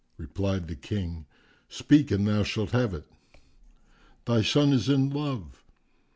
Replied the King, "Speak and thou shalt have it." "Thy son is in love."